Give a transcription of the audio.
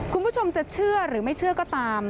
คุณผู้ชมจะเชื่อหรือไม่เชื่อก็ตาม